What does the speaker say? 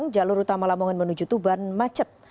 jalur utama lamongan menuju tuban macet